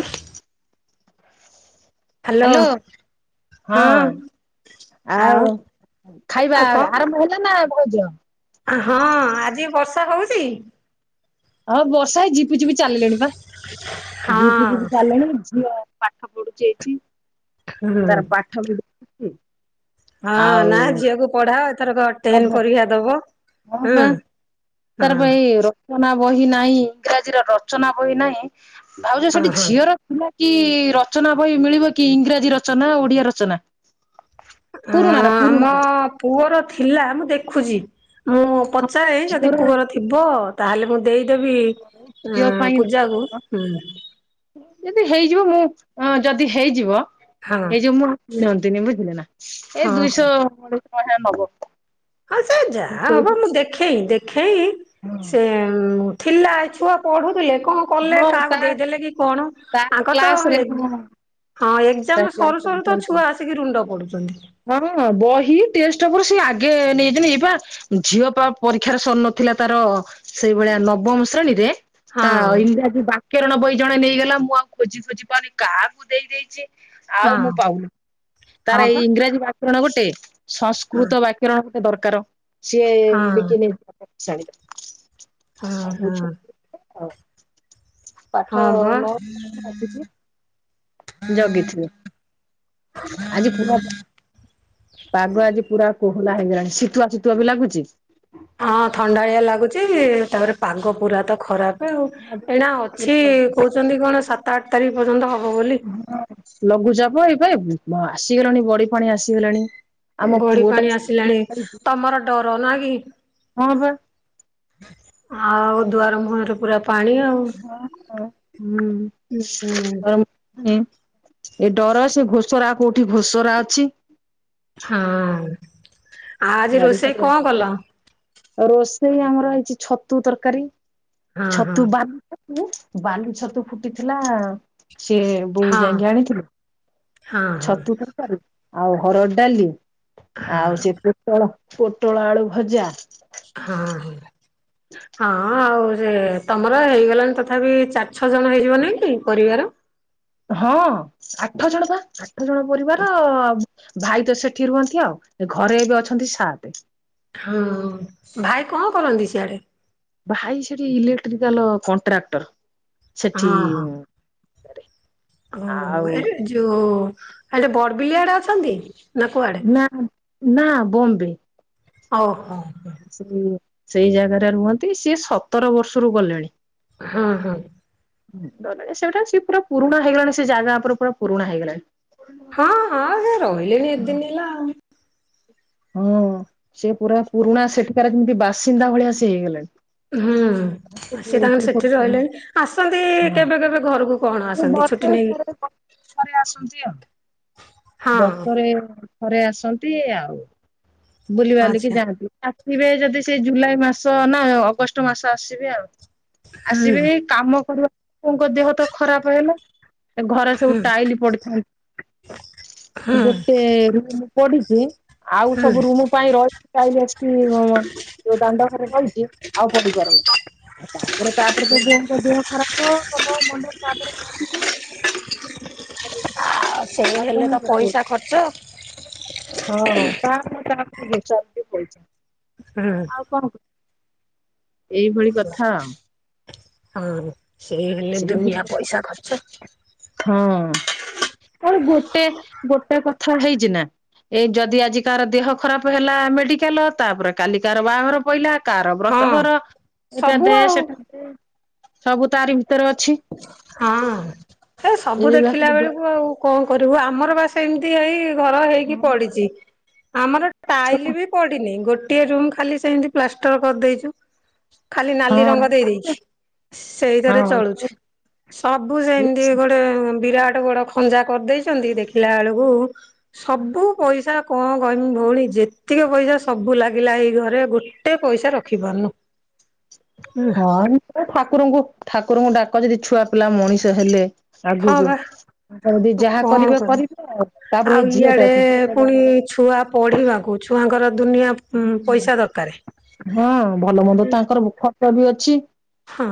ହ [inaudible] [inaudible] ହ୍ୟାଲୋ। ହଁ ଆଉ ଖାଇବା ଆଉ କଣ ଆରମ୍ଭ ହେଲା ନା ଭାଉଜ। ହଁ ଆଜି ବର୍ଷା ହଉଛି। ହଁ ବର୍ଷା ହେଇ ଝିପି ଝିପି ଚାଲିଲେଣି ବାି ଝିପି ହଁ ଚାଲିଲଣିଝିଅ। ପାଠ ପଢୁ ଏଇଠି ହୁଁ ତାର ପାଠ ପଢ। ହଁ ନା ଝିଅକୁ ପଢାଅ। ତର କ ହଁ ଟେନ୍ ପରୀକ୍ଷା ଦବ ହୁଁ ବା ତାର ବା ହଁ। ଏଇ ରଚନା ବହି ନାହିଁ ଇଂରାଜୀ ର ରଚନା ବହି ନାହିଁ ଭାଉଜ ହଁ ସେଠି ହଁ ଝିଅର। ଥିଲା କିି ରଚନା ବହି ମିଳିବ କି ଇଂରାଜୀ ରଚନା ଓଡିଆ ରଚନା। ଆ ପୁରୁଣାର ଆମ। ପୁରୁଣାର ପୁଅର ଥିଲା ମୁଁ ଦେଖୁଛି ମୁଁ ପଚାରେ ଯଦି ଝିଅର ପୁଅର। ଥିବ ତାହେଲେ ମୁଁ ଦେଇଦେବି ଉ ଝିଅ ପାଇଁ ପୂଜାକୁ ହୁଁ। ଯଦି ହେଇଯିବ ମୁଁ ଯଦି ହେଇଯିବ। ହଁ ଏଇ ଯୋଉ ମୁଁ କିଣନ୍ତିନି ବୁଝିଲେ ନା ହଁ ଏଇ ହଉ। ଦୁଇଶହ [unintelligible] ଶହା ନବ। ହଁ ସେ ଯା ହବ ସେଇଠୁ ମୁଁ ଦେଖେଇ ଦେଖେଇ ସେ। ଥିଲା ଏ ଛୁଆ ପଢୁଥିଲେ କଣ। କଲେ ହଁ କାହାକୁ ତା ଦେଇଦେଲେ କି କଣ ତା ଆଙ୍କ ତ କ୍ଲାସରେ ଏ ହଁ ହଁ ତା ଏକଜାମ ସରୁ କ୍ଲାସରେ ସରୁ ତ ଛୁଆ ଆସିକି ରୁଣ୍ଡ ପଡୁଛନ୍ତି। ଘରୁ ହଁ ବହି ଟେଷ୍ଟ ପେପାର ସିଏ ଆଗେ ନେଇ ଥିନି ଏଇପା। ଝିଅ ପା ପରୀକ୍ଷାର ସରିନଥିଲା ତାର ସେଇଭଳିଆ ନବମ ଶ୍ରେଣୀରେ। ତା ହଁ ଇରାଜୀ ବାକ୍ୟରଣ ବହି ଜଣେ ନେଇଗଲା ମୁଁ ଆଉ ଖୋଜି ଖୋଜି ପାଉନି କାହାକୁ ଦେଇଦେଇଛି। ଆଉ ହଁ ମୁଁ ପାଉନି ହଁ ତାର ବା ଏଇ ଇଂରାଜୀ ବ୍ୟାକରଣ ଗୋଟେ ହଁ ସଂସ୍କୃତ ବାକ୍ୟ ବରଣ ଗୋଟେ ଦରକାର ସିଏ ହଁ ବିକି ନେଇ [unintelligible] ଆ ହ। ପାଠ ହଁ ବା ନଅ ଟରୁ ଆସିଲୁ। ଜଗିଥିଲୁ। ଆଜି ପୁର। ପାଗ ଆଜି ପୁରା କୋହଲା ହେଇଗଲାଣି ଶୀତୁଆ ଶୀତୁଆ ବି ଲାଗୁଛି। ହଁ ଥଣ୍ଡାଳିଆ ଲାଗୁଚ ତାପରେ ପାଗ ପୁରା ତ ଖରାପ। ଆଉ ଏଇନା ଅଛି କହୁଛନ୍ତି କଣ ସାତ ଆଠ ତାରିଖ ପର୍ଯ୍ୟନ୍ତ ହବ ବୋଲି। ଲଘୁଚାପ ଏବେ ଆସିଗଲାଣି ବଡି ପାଣି ଆସିଗଲାଣି। ଆମ ଗଢ ପୁଅ ଟା ପାଣି ଆସିଲାଣି ତମର ଡର ନା କି। ହଁ ବା। ଆଉ ଦୁଆର ମୁଁହିଁରେ ପୁରା ପାଣି ଆଉ [unintelligible] ହୁଁ। ଏଁ ଏ ଡର ସେ ଘୋସରା କୋଉଠି ଭୋସରା ଅଛି। ହଁ ଆଉ ଆଜି ରୋଷେଇ କଣ କଲ। ରୋଷେଇ ଆମର ହେଇଚି ଛତୁ ତରକାରୀ ହଁ ହଁ ଛତୁ ବା ବାଲି ଛତୁ ଫୁଟିଥିଲା ସିଏ ବୋଉ ହଁ ଯାଇକି ଆଣିଥିଲେ ହଁ ଛତୁ ଆଉ ହରଡ଼ ଡାଲି ହଁ ହଁ ଆଉ ସେ ପୋଟଳ ପୋଟଳ ଆଳୁ ଭଜା ହଁ ହଁ ହଁ ଆଉ ସେ ତମର ହେଇଗଲାଣି ତଥାପି ଚାରି ଛଅ ଜଣ ହେଇଯିବନିକି ପରିବାର ହଁ ଆଠ ଜଣ ପା ଆଠ ଜଣ ପରିବାର ଭାଇତ ସେଠି ରୁହନ୍ତି ଆଉ ଘରେ ଏବେ ଅଛନ୍ତି ସାତେ ହଁ ଭାଇ କଣ କରନ୍ତି ସିଆଡେ ଭାଇ ସେଠି ଇଲେକ୍ଟ୍ରିକାଲ କଣ୍ଟ୍ରାକ୍ଟର ସେଠି ହଁ ହଁ ଆଉ ଯଉ ଆଟ ବଡବିଲ ଆଡେ ଅଛନ୍ତି। ନା କୁଆଡେ? ନା ନା ବମ୍ବେ ଓ ହୋ, ହୋ ଲ୍ୟ ପାଇଁ ସେ ସେଇ ଜାଗାରେ ରୁହନ୍ତି ସିଏ ସତର ବର୍ଷରୁ ଗଲେଣି ହଁ ହଁ ସେବେଠାରୁ ସିଏ ପୁରା ପରୁଣା ହେଇଗଲାଣି ସେ ଜାଗା ଉପରେ ପୁରା ପୁରୁଣା ହେଇଗଲାଣି ହଁ ହଁ ସେ ରହିଲେଣି ଏତେଦିନ ହେଲା ହଁ ସେ ପୁରା ପୁରୁଣା ସେଥିକାର ଯେମିତି ବାସିନ୍ଦା ଭଳିଆ ସେ ହେଇଗଲେଣି ହୁଁ, ଲଘ୍ ବର୍ଷକୁ ସିଏ ତାଙ୍କ ଦୁଇ ଥର ସେଠି ତିନି ରହିଲେଣି ଆସନ୍ତି ହଁ କେବେ କେବେ ଘରକୁ କଣ ସେ ଆସନ୍ତି ବର୍ଷରେ ଛୁଟି ନେଇକି ଥରେ ଥରେ ଆସନ୍ତି ଆଉ ହଁ ବର୍ଷରେ ଥରେ ଆସନ୍ତି ଆଉ ବୁଲି ବାଲିକି ଆଚ୍ଛା ଯାଆନ୍ତି। ଆସିବେ ଯଦି ସେଇ ଜୁଲାଇ ମାସ ନା ଅଗଷ୍ଟ ମାସ ଆସିବେ ଆଉ ହୁଁ ଆସିବେ କାମ କରିବା ବୋଉଙ୍କ ଦେହତ ଖରାପହେଲା ଘରେ ସବୁ ହୁଁ ଟାଇଲି ପଡିଥାନ୍ତା ହୁଁ ଗୋଟେ ରୁମ ପଢିଚି ଆଉ ହୁଁ ସବୁ ରୁମ ପାଇଁ ରହିଛି ଟାଇଲି ଆସିକି ଯୋଉ ଦାଣ୍ଡ ଘରେ ରହିଛି ଆଉ ପଡିପାରୁନି ତାପରେ ତାପରେତ ବୋଉଙ୍କ ଦେହ ଖରାପ ମୁଣ୍ଡ ତାପରେ ଫାଟିଚି। ଆଉ ସେଇ କଣ ହେଲେତ ପକେଇବ ପଇସା ଖର୍ଚ୍ଚ ହଁ ତାପରେ ତାପରେ ଜିନିଷ ଆସିକି ପଡିଚି ହୁଁ କଣ ଏଇଭଳି କଥା ଆଉ ହଁ ସେଇ ହେଲେ ଦୁନିଆ ପଇସା ଖର୍ଚ୍ଚ। ହଁ ଆଉ ଗୋଟେ ଗୋଟେ କଥା ହେଇଚିନା। ଏଇ ଯଦି ଆଜି କାହାର ଦେହ ଖରାପ ହେଲା ମେଡିକାଲ ତାପରେ କାଲି କାହାର ବାହାଘର ପଇଲା କାହାର ହଁ ବ୍ରତଘର ଏଟା ସବୁ ଆଉ ଡ୍ରେସ ସବୁ ତାଆରି ଭିତରେ ଅଛି। ହଁ ଏସବୁ ଏଇ ଦେଖିଲା ବେଳକୁ ଆଉ କଣ କରିବୁ ଆମର ବାସ ସେମିତି ଏଇ ଘର ହେଇକି ପଡିଛି ଆମର ଟାଇଲିବି ପଡିନି ଗୋଟିଏ ରୁମ ଖାଲି ସେମିତି ପ୍ଲାଷ୍ଟର କରିଦେଇଚୁ ଖାଲି ନାଲି ହଁ ରଙ୍ଗ ଦେଇ ଦେଇଛି ସେଇଟାରେ ହଁ ଚଳୁଛୁ। ସବୁ ସେମିତି ଗୋଟେ ବିରାଟ ବଡ ଖଞ୍ଜା କରିଦେଇଛନ୍ତି ଦେଖିଲା ବେଳକୁ ସବୁ ପଇସା କଣ କହନି ଭଉଣୀ ଯେତିକି ପଇସା ସବୁ ଲାଗିଲା ଏଇଘରେ ଗୋଟେ ପଇସା ରଖିପାରୁନୁ। ହଁ ଠାକୁରଙ୍କୁ ଠାକୁରଙ୍କୁ ଡାକ ଯଦି ଛୁଆ ପିଲା ମଣିଷ ହେଲେ ହଁ ଆଗକୁ ବା ଯଦି ଯାହା ଆଉ କଣ କରିବେ କରିବୁ। କରିବେ ଆଉ ତାପରେ ଆଉ ଏଇ ଇଆଡେ ଝିଅଟାକୁ ପୁଣି ଛୁଆ ପଢିବାକୁ ଛୁଆଙ୍କର ଦୁନିଆ ପଇସା ଦରକାରେ ହଁ ଭଲମନ୍ଦ ତାଙ୍କର ଖର୍ଚ୍ଚବି ଅଛି। ହଁ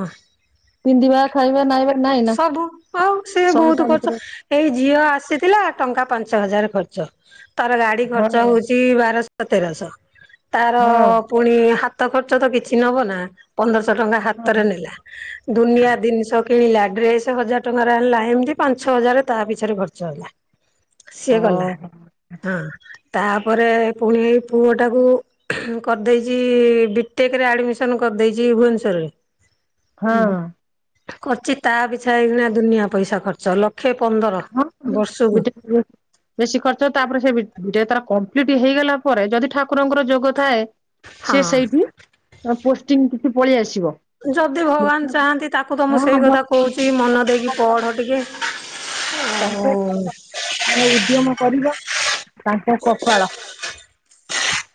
ପିନ୍ଧିବା ଖାଇବା ନାଇବା ନାଇଁ ନା ସବୁ ଆଉ ସିଏ ସବୁ ବହୁତ ତା ଖର୍ଚ୍ଚ ଭିତରେ ଏଇ ଝିଅ ଆସିଥିଲା ଟଙ୍କା ପାଞ୍ଚ ହଜାର ଖର୍ଚ୍ଚ ତାର ଗାଡି ହଁ ଖର୍ଚ୍ଚ ହଉଛି ବାରଶହ ତେରଶହ ତାର ହଁ ପୁଣି ହାତ ଖର୍ଚ୍ଚ ତ କିଛି ନବ ନା ପନ୍ଦରଶହ ଟଙ୍କା ହାତରେ ହଁ ନେଲା ଦୁନିଆ ଜିନିଷ କିଣିଲା ଡ୍ରେସ ହଜାର ଟଙ୍କାରେ ଆଣିଲା ଏମିତି ପାଞ୍ଚଛ ହଜାର ତା ପିଛାରେ ଖର୍ଚ୍ଚ ହେଲା। ସିଏ ଗଲା। ଓହୋ ହଁ ତାପରେ ପୁଣି ଏଇ ପୁଅ ଟାକୁ କରିଦେଇଛି ବିଟେକରେ ଆଡ଼ମିସନ କରିଦେଇଛି ଭୁବନେଶ୍ୱରରେ ହଁ ହୁଁ କରିଚି ତା ପିଚ୍ଛା ଏଇନା ଦୁନିଆ ପଇସା ଖର୍ଚ୍ଚ ଲ ଲକ୍ଷେ ପନ୍ଦର ହଁ ବର୍ଷକୁ। ବିଟେକ୍ ବେଶୀ ଖର୍ଚ୍ଚ ତାପରେ ସେ ତାର କମ୍ପ୍ଲିଟ ହେଇଗଲା ପରେ ଯଦି ଠାକୁରଙ୍କର ଯୋଗ ଥାଏ ସିଏ ହଁ ସେଇଠି ପୋଷ୍ଟିଂ କି ପଳେଇ ଆସିବ। ଯଦି ଭଗବାନ ଚାହାନ୍ତି ତାକୁ ତ ମୁଁ ସେଇ ହଁ କଥା କହୁଛି ମନ ଦେଇକି ପଢ ଟିକେ ଆଉ ତାଙ୍କେ ଉଦ୍ୟମ କରିବ ତାଙ୍କ କପାଳ।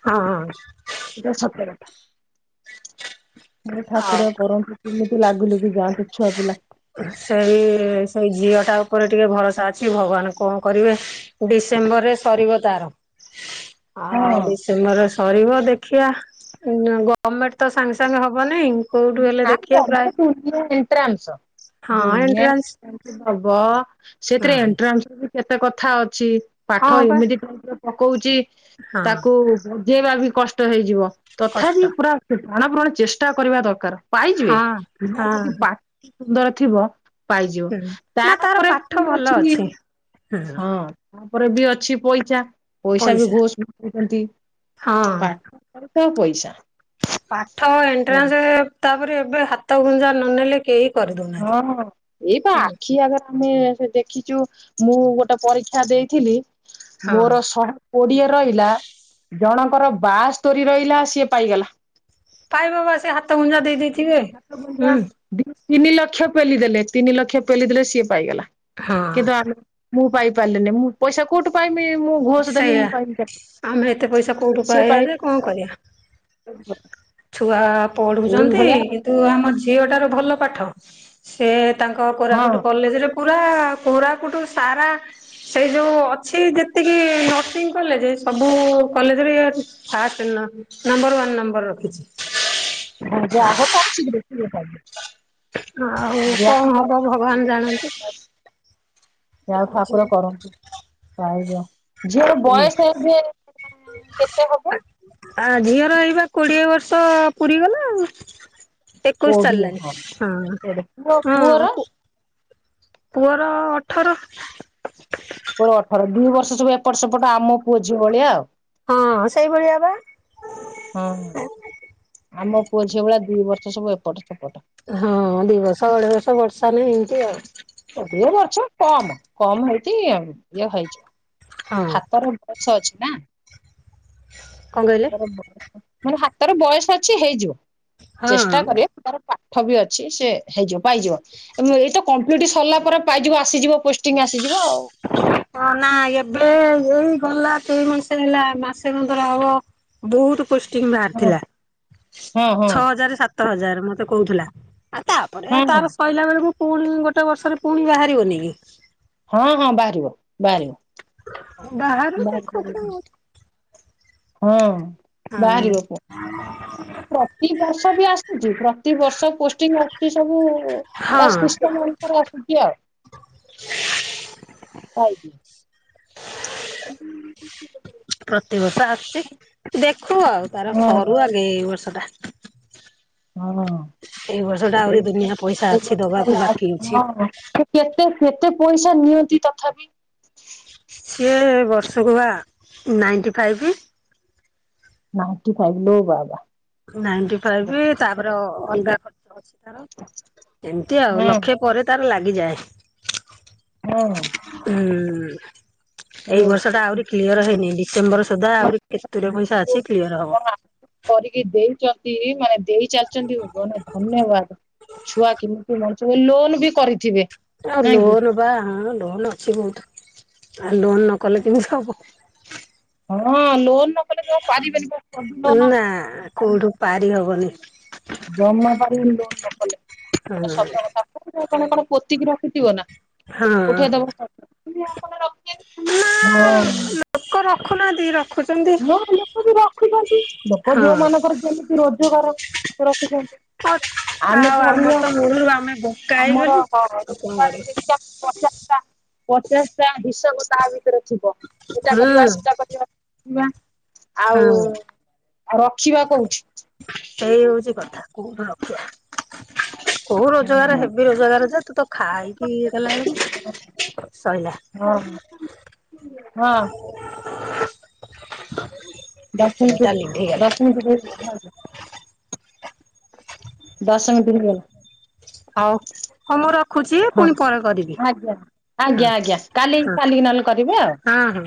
ହଁ ସେଟା ସତ କଥା ଆଉ ଠାକୁର କରନ୍ତୁ। ଏମିତି ଲାଗି ଲୁଗି ଯାଆନ୍ତୁ ଛୁଆ ପିଲା। ସେଇ ସେଇ ଝିଅ ଟା ଉପରେ ଟିକେ ଭରସା ଅଛି ଭଗବାନ କଣ କରିବେ। ଡିସେମ୍ବରରେ ସରିବ ତାର। ଆଉ ହଁ ଡିସେମ୍ବର ସରିବ ଦେଖିବା ଗଭର୍ଣମେଣ୍ଟ ତ ସାଙ୍ଗେ ସାଙ୍ଗେ ହବନାଇଁ ଗଭର୍ଣ୍ଣମେଣ୍ଟ ଏଣ୍ଟ୍ରାନ୍ସ। ହଁ ଦୁନିଆ ଏଣ୍ଟ୍ରାନ୍ସ ହେବ ସେଥିରେ ହଁ ଏଣ୍ଟ୍ରଆନ୍ସ। କେତେ କଥା ଅଛି ପାଠ ହଁ ବା ଏମିତି ପକଉଛି ହଁ ତାକୁ ବଜେଇବା ବି କଷ୍ଟ ହେଇଯିବ ତଥାପି କଷ୍ଟ ପୁରା ପ୍ରାଣ ପ୍ରଣେ ଚେଷ୍ଟା କରିବା ଦରକାର। ପାଇଯିବେ ହଁ ପିଲା ଯଦି ହଁ ପାଠ ସୁନ୍ଦର ଥିବ। ପାଇଯିବ ହୁଁ ନା ତାର ତାପରେ ପାଠ ପୁଣି ଭଲ ଅଛି ହୁଁ ହଁ। ତାପରେ ବି ଅଛି ପଇସା ପଇସା ବି ହଁ ପଇସା। ପାଠ ଏଣ୍ଟ୍ରାନ୍ସ ତାପରେ ଏବେ ହାତ ଗୁଞ୍ଜା ନ ନେଲେ କେହି କରିଦଉନାହାନ୍ତି। ହଁ ଏଇ ପା ହୁଁ ଆଖି ଆଗର ଆମେ ସେ ଦେଖିଚୁ ମୁଁ ଗୋଟେ ପରୀକ୍ଷା ଦେଇଥିଲି ହଁ ମୋର ଶହେ କୋଡ଼ିଏ ରହିଲା ଜଣଙ୍କର ବାସ୍ତୈରି ରହିଲା ସିଏ ପାଇଗଲା। ପାଇବ ବା ସେ ହାତ ଗୁଞ୍ଜା ଦେଇେଇଥିବେ। ହଁ ହାତ ଗୁଣ୍ଟା ଦି ତିନି ଲକ୍ଷ ପେଲି ଦେଲେ ତିନି ଲକ୍ଷ ପେଲି ଦେଲେ ସିଏ ପାଇଗଲା ହଁ କିନ୍ତୁ ଆମ ମୁଁ ପାଇ ପାରଲିନି ମୁଁ ପଇସା କୋଉଠୁ ପାଇମି ମୁଁ ଘୋଷ ଦେମି ସେଇଆ ମୁଁ ପାଇମି ଚା ଆମେ ଏତେ ପଇସା କୋଉଠୁ ସିଏ ପାଇବା ଯେ କଣ ପାଇଗଲା। କରିବା ଛୁଆ ପଢ଼ୁଚନ୍ତି ଏଇଭଳିଆ କିନ୍ତୁ ଆମ ଝିଅଟାର ଭଲ ପାଠ ସେ ତାଙ୍କ ହଁ କୋରାପୁଟୁ କଲେଜେରେ ପୁରା ପୁରା କୋରାପୁଟୁ ସାରା ସେଇ ଯୋଉ ଅଛି ଯେ ତିକି ନର୍ସିଂ କଲେଜେ ସବୁ କଲେଜେରେ ଇଏ ଅଛି ଫାଷ୍ଟେ ନ ନମ୍ବର ୱାନ୍ ନମ୍ବର ରଖିଛି। ଯାହା ହୋଉ ତାହେଲେ ଶିଘ୍ର ଶିଘ୍ର ପାଇଯିବେ। ଆଉ କଣ ହବ ଭଗବାନ ଜାଣନ୍ତି। ଯା ହୋଉ ଠାକୁର କରନ୍ତୁ ପାଇଯାଉ। ଝିଅର ଏ ବୟସ ଏବେ କେତେ ହବ? ଆ ଝିଅର ଏଇବା କୋଡିଏ ବର୍ଷ ପୁରିଗଲା ଆଉ। ଏକୋଇଶି କୋଡିଏ ଚାଲିଲାଣି ହଁ କୋଡିଏ ପୁଅ ହଁ ପୁଅର ହଁ। ପୁଅର ଅଠର। ପୁଅର ଅଠର ଦି ବର୍ଷ ସବୁ ଏପଟ ସେପଟ ଆମ ପୁଅ ଝିଅ ଭଳିଆ ଆଉ। ହଁ ସେଇଭଳିଆ ବା। ହଁ ଆମ ପୁଅ ଝିଅ ଭଳିଆ ଦି ବର୍ଷ ସବୁ ଏପଟ ସେପଟ। ହଁ ଦି ବର୍ଷ ଅଢେଇ ବର୍ଷ ବଡ ସାନେ ଏମିତି ଆଉ। ଏବେ ବର୍ଛ କମ୍ କମ୍ ହେଇଚି ଇଏ ହେଇଯିବ ହଁ ହାତର ଗଛ ଅଛି ନା? କଣ କହିଲେ? ମାନେ ହାତରେ ବୟସ ଅଛି ହେଇଯିବ ହଁ। ଚେଷ୍ଟା କରେ। ତାର ପାଠ ବି ଅଛି ସେ ହେଇଯିବ ପାଇଯିବ ଏଇତ ବିଡି ସରିଲା ପରେ ପାଇଯିବ ଆସିଯିବ ପୋଷ୍ଟିଙ୍ଗି ଆସିଯିବ ଆଉ। ହଁ ନା ଏବେ ଏଇ ଗଲା କେଇ ମାସେ ହେଲା ମାସେ କନ୍ତ ର ହବ। ବହୁତୁ ପୋଷ୍ଟିଂ ଙ୍ଗି ହଁ ବାହାରିଥିଲା ହଁ ହଁ ଛଅ ହଜାରେ ସାତ ହଜାରେ ମତେ କହୁଥିଲା। ଆଉ ତାପରେ ହଁ ତାର ସରିଲା ବେଳକୁ ପୁଣି ଗୋଟେ ବର୍ଷରେ ପୁଣି ବାହାରିବନେହିଁ କି? ହଁ ହଁ ବାହାରିବ ବାହାରିବ। ବାହାରୁ ବାହାରିବ ଖୋଜୁ। ହଁ। [inaudible] ପ୍ରତି ବର୍ଷ ବି ଆସୁଚି ପ୍ରତିବର୍ଷ ପୋଷ୍ଟିଂଙ୍ଗି ଆସୁଚି ସବୁ। ହଁ ତାସିଷ୍ଟମ ଅନୁସାରେ ଆସୁଚି ପଇଯିବ। ପ୍ରତିବର୍ଷ ଆସୁଚି ଦେଖୁ ଆଉ ତାର ହଁ ସରୁ ଆଗେ ଏଇ ବର୍ଷ ଟା। ହଁ। ଏଇ ବର୍ଷ ଟା ଆହୁରି ଦୁନିଆ ପଇସା ଅଛି ଦବାକୁ ବାକି ଅଛି। କେତେ କେତେ ପଇସା ନିଅନ୍ତି ତଥାପି? ସିଏ ବର୍ଷକୁ ବା ନାଇଣ୍ଟି ଫାଇପି। ନାଇଣ୍ଟି ଫାଇଭ୍ ଲୋ ବାବା। ନାଇଟି ଫାଇବି ତାପରେ ଅଲଗା କ ଏମିତି ଆଉ ହଁ ଲକ୍ଷେ ପରେ ତାର ଲାଗିଯାଏ। ହଁ ହୁଁ ଏଇ ଓଃ। ବର୍ଷ ଟା ଆହୁରି କ୍ଲିୟର ହେଇନି ଡିସେମ୍ବର ସୁଦ୍ଧା ଆହୁରି କିସ୍ତିରେ ପଇସା ଅଛି କ୍ଲିୟର ହବ। କରିକି ଦେଇଛନ୍ତି ମାନେ ଦେଇ ଚାଲିଛନ୍ତି ଧନ୍ୟବାଦ। ଛୁଆ କେମିତି ମଣିଷ ଲୋନ ବି କରିଥିବେ। ଆଉ ନାଇଁ କି? ଲୋନ ବା ହଁ ଲୋନ୍ ଅଛି ବହୁତ ଆଉ ଲୋନ ନ କଲେ କେମିତି ହବ? ହଁ ଲୋନ୍ ନ କଲେ ତ ପାରିବେନି ନା ଲୋନ କୋଉଠୁ ପାରି ହବନି। ଜମା ପାରିବିନି ଲୋନ ହଁ ନକଲେ ସ କଥା କଣ ପ୍ରତୋତିକି ରଖୁଥିବ ନା ହଁ। ଠେଇଉ ନା ହଁ ଲୋକ ରଖୁନାହାନ୍ତିିଇ ରଖ ନ ଲୋକ ବି ରଖିଛନ୍ତି ଲୋକ ଯୋଉ ହଁ। ମାନଙ୍କର କେମିତି ରୋଜଗାର ସେ ରଖିଛନ୍ତି ଆମେ ଆଉ ଧର ଆମର ତ ମୂଳରୁ ଆମେ ବୋକା ହେଇଗଲୁ ଆମର ଆଉ କଣ ରୋଜଗାର କରିବା। ପଚାଶଟା ପଚାଶଟା ହିସାବ ତା ଭିତରେ ଥିବ ସେଟା ହୁଁ କରିବା ସେଟା କରିବା ଆଉ ହୁଁ ରଖିବା କଉଠି? ସେଇ ହଉଛି କଥା। କୋଉ ରୋଜଗାର ହୁଁ ହେବି ରୋଜଗାର ଯେ ତୁ ତ ଖାଇକିଇ ଗଲାଣି ଶୋଇଲା ହଁ ହଁ ଦଶ ମିନି ଟା ଲିଭି ଗଲା ଦଶ ମିନିଟ୍ ଦେଇ ଦଶ ମିନିଟ୍ ହେଇଗଲା। ହଉ ହଁ ମୁଁ ରଖୁଛି ହଁ ପୁଣି ପରେ କରିବି ଆଜ୍ଞା ହଁ ଆଜ୍ଞା ଆଜ୍ଞା କାଲି ହଁ। କାଲିକି ନହେଲେ କରିବେ ଆଉ ହଁ ହଁ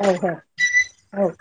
ହଉ ହଉ ହଉ